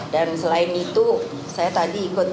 dan selain itu saya tadi ikut penelitian